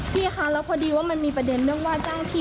พี่ถูกว่าจ้างจริงไหมพี่